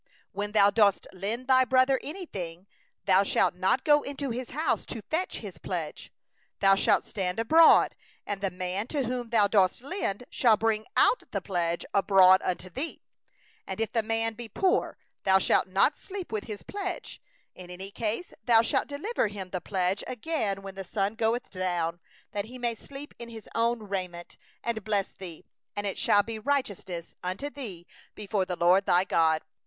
10When thou dost lend thy neighbour any manner of loan, thou 24 shalt not go into his house to fetch his pledge. 11Thou shalt stand without, and the man to whom thou dost lend shall bring forth the pledge without unto thee. 12And if he be a poor man, thou shalt not sleep with his pledge; 13thou shalt surely restore to him the pledge when the sun goeth down, that he may sleep in his garment, and bless thee; and it shall be righteousness unto thee before the LORD thy God.